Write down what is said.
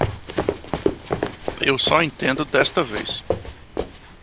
Eu só entendo desta vez.